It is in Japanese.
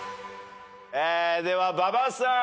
では馬場さん。